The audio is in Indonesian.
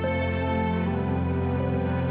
kenapa kamu tidur di sini sayang